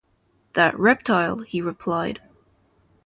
‘That reptile!’ he replied.